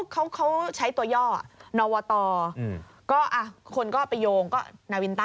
เขาใช้ตัวย่อนอวตก็คนก็ไปโยงก็นาวินต้า